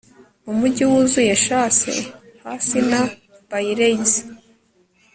Umujyi wuzuye Chase Hasi na Baileys